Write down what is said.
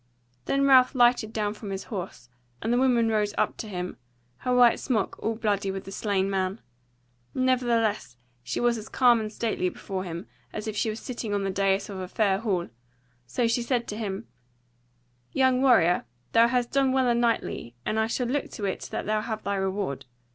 Then Ralph lighted down from his horse, and the woman rose up to him, her white smock all bloody with the slain man. Nevertheless was she as calm and stately before him, as if she were sitting on the dais of a fair hall; so she said to him: "Young warrior, thou hast done well and knightly, and I shall look to it that thou have thy reward.